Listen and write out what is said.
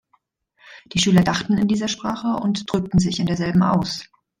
Die Schüler dachten in dieser Sprache und drückten sich in derselben aus.